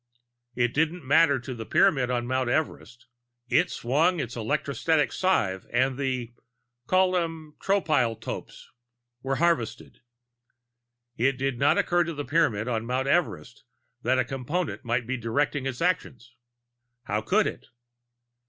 It didn't matter to the Pyramid on Mount Everest. It swung its electrostatic scythe and the call them Tropiletropes were harvested. It did not occur to the Pyramid on Mount Everest that a Component might be directing its actions. How could it?